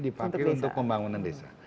dipakai untuk pembangunan desa